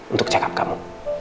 untuk cakap kamu